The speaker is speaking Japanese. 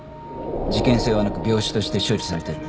事件性はなく病死として処理されてる。